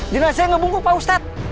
dinasnya gak bungkuk pak ustadz